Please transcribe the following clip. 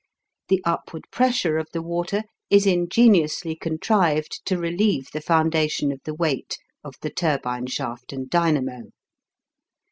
The upward pressure of the water is ingeniously contrived to relieve the foundation of the weight of the turbine shaft and dynamo.